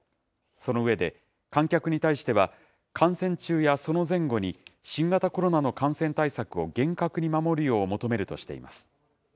その上で、観客に対しては、観戦中やその前後に新型コロナの感染対策を厳格に守るよう求めるとしています。